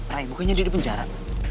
rai bukannya dia di penjara